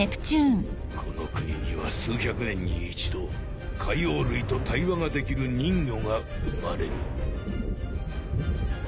この国には数百年に一度海王類と対話ができる人魚が生まれる